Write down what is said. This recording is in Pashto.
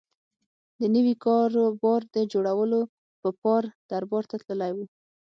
د نوي کاروبار د جوړولو په پار دربار ته تللی و.